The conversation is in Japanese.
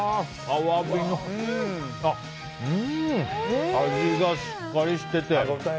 アワビの味がしっかりしてて。